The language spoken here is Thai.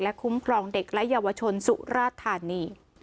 คุ้มครองเด็กและเยาวชนสุราธานี